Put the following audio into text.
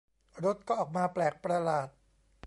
รสก็ออกมาแปลกประหลาด